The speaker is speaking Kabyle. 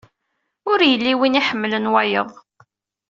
Ur yelli win iḥemlen wayeḍ.